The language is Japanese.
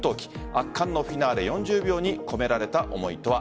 圧巻のフィナーレ４０秒に込められた思いとは。